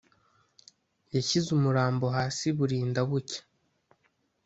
yashyize umurambo hasi burinda bucya